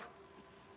selamat malam renat